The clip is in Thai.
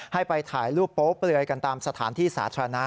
ให้ไปถ่ายรูปโป๊เปลือยกันตามสถานที่สาธารณะ